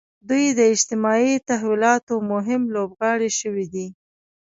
دوی د اجتماعي تحولاتو مهم لوبغاړي شوي دي.